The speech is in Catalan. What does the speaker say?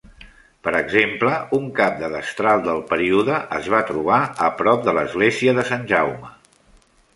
Per exemple, un cap de destral del període es va trobar a prop de l'Església de Sant Jaume.